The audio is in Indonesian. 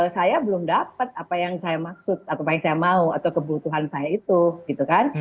saya belum dapat apa yang saya maksud atau apa yang saya mau atau kebutuhan saya itu gitu kan